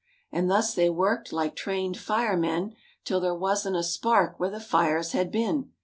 And thus they worked like trained firemen Till there wasn't a spark where the fires had been.